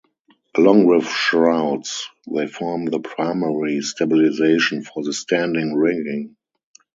Along with shrouds, they form the primary stabilization for the standing rigging.